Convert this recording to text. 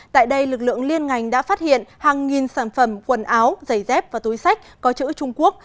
tại đây lực lượng liên ngành đã phát hiện hàng nghìn sản phẩm quần áo giày dép và túi sách có chữ trung quốc